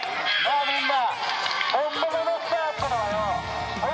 みんな。